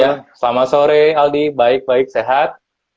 ya selamat sore aldi baik baik sehat